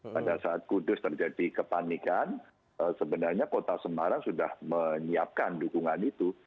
pada saat kudus terjadi kepanikan sebenarnya kota semarang sudah menyiapkan dukungan itu